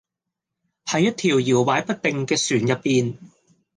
喺一條搖擺不定嘅船入邊